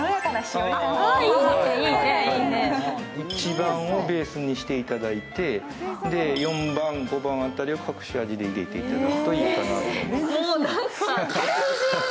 １番をベースにしていただいて、４番、５番辺りを隠し味で入れていただくといいかと思います。